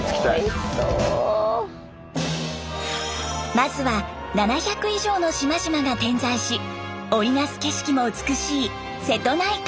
まずは７００以上の島々が点在し織り成す景色も美しい瀬戸内海。